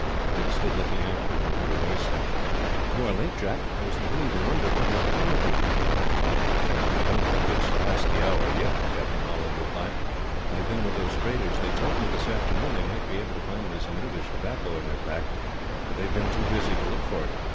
Dick stood looking after him, and heard a voice say: "You are late, Jack. I was beginning to wonder what had become of you." "I don't think it is past the hour, yet," Captain Holland replied. "I have been with those traders. They told me, this afternoon, they might be able to find me some English tobacco in their pack; but they have been too busy to look for it.